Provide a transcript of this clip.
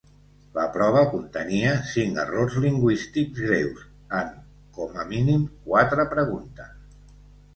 La prova contenia cinc errors lingüístics greus en, com a mínim, quatre preguntes.